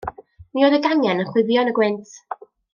Mi oedd y gangen yn chwifio yn y gwynt.